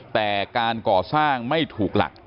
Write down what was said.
แต่การก่อสร้างไม่ถูกหลัก